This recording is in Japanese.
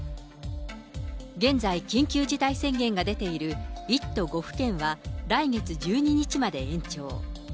現在、緊急事態宣言が出ている１都５府県は来月１２日まで延長。